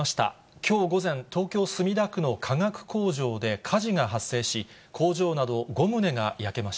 きょう午前、東京・墨田区の化学工場で火事が発生し、工場など５棟が焼けまし